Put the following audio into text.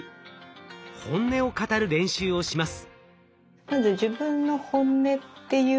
本音を語る練習をします。